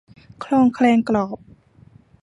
ครองแครงกรอบ